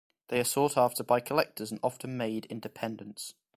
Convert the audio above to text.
They are sought after by collectors and are often made into pendants.